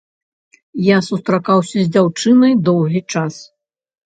Я сустракаўся з дзяўчынай доўгі час.